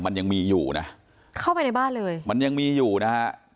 มันยังมีอยู่นะเข้าไปในบ้านเลยมันยังมีอยู่นะฮะ